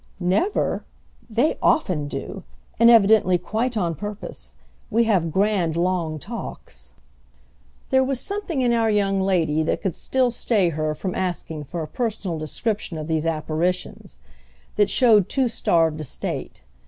"Never? They often do—and evidently quite on purpose. We have grand long talks." There was something in our young lady that could still stay her from asking for a personal description of these apparitions; that showed too starved a state.